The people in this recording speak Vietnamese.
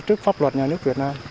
sai trước pháp luật nhà nước việt nam